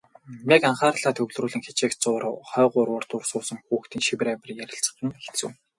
Яг анхаарлаа төвлөрүүлэн хичээх зуур хойгуур урдуур суусан хүүхдийн шивэр авир ярилцах нь хэцүү.